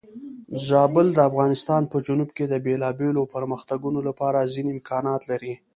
زابل د افغانستان په جنوب کې د بېلابېلو پرمختګونو لپاره ځینې امکانات لري.